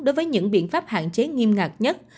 đối với những biện pháp hạn chế nghiêm ngặt nhất